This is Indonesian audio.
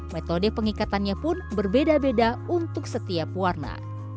metode pengikatannya pun berbeda beda untuk setiap warna